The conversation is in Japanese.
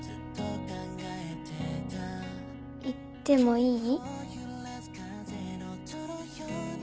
行ってもいい？